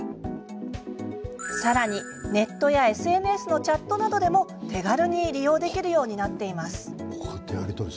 さらに、ネットやＳＮＳのチャットなどでも手軽に利用できるようになっています。